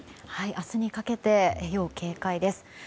明日にかけて要警戒です。